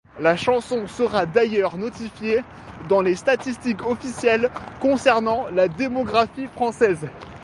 La chanson sera d'ailleurs notifiée dans les statistiques officiels concernant la démographie française.